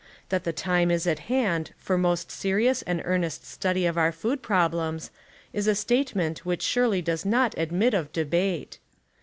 That the time is at hjyid for most serious and earnest study of our food problems is a statement which surely does not admit of debate.